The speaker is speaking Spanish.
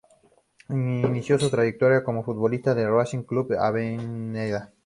Inició su trayectoria como futbolista en el Racing Club de Avellaneda.